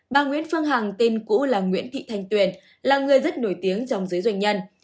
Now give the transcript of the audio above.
bà nguyễn phương hằng tên cũ là nguyễn thị thanh tuyền là người rất nổi tiếng trong giới doanh nhân